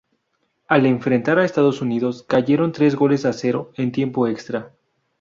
Al enfrentar a Estados Unidos cayeron tres goles a cero en tiempo extra.